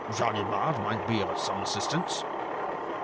"Ganimard might be of some assistance."